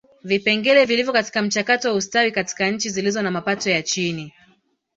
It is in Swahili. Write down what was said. Vipengele vilivyo katika mchakato wa ustawi katika nchi zilizo na mapato ya chini